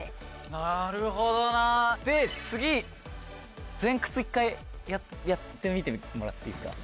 「なるほどな！」で次前屈１回やってみてもらっていいですか？